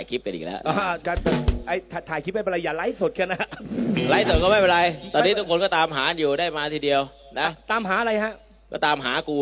กันเป็นเมื่อกี้อีก๔ข้อนะคุณคุณว่างงอยู่นะไม่มีอะไรนะ